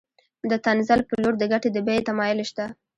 د تنزل په لور د ګټې د بیې تمایل شته